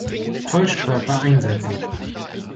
Täuschkörper einsetzen!